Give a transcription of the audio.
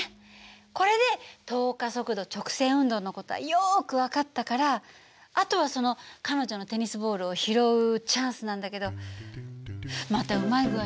これで等加速度直線運動の事はよく分かったからあとはその彼女のテニスボールを拾うチャンスなんだけどまたうまい具合に落としてくれるかしらね？